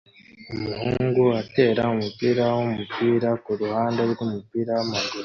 Umuhungu atera umupira wumupira kuruhande rwumupira wamaguru